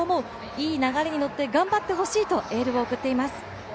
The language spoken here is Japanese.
いい流れに乗って、頑張ってほしいなとエールを送っています。